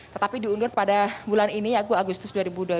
tetapi diundur pada bulan ini ya gue agustus dua ribu dua puluh dua